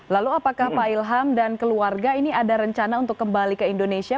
lalu apakah pak ilham dan keluarga ini ada rencana untuk kembali ke indonesia